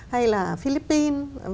hay là philippines